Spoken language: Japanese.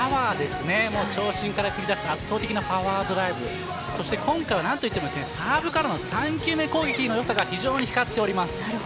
長身から繰り出す圧倒的なパワードライブそして今回は何といってもサーブからの３球目攻撃の良さも非常に光っています。